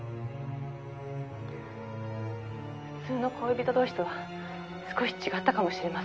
「普通の恋人同士とは少し違ったかもしれません」